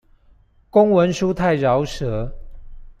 公文書太饒舌